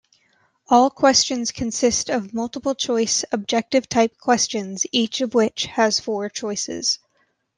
All questions consists of multiple choice objective-type questions each of which has four choices.